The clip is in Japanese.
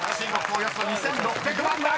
およそ２，６００万台］